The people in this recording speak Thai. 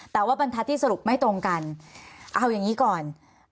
แต่ว่าบรรทัศน์ที่สรุปไม่ตรงกันเอาอย่างนี้ก่อน